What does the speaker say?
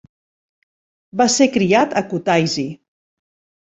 Va ser criat a Kutaisi.